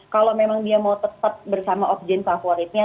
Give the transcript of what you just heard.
kalau memang dia mau tetap bersama objek favoritnya